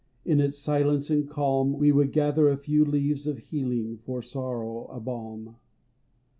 In its silence and calm, We would gather a few leaves of healing, For sorrow a balm.